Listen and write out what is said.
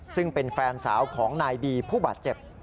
ซึ่งเป็นแฟนสาวของนายบีผู้บาดเจ็บ